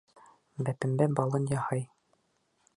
Бәпембә балын яһай.